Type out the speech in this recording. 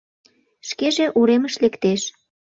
Шкеже уремыш лектеш.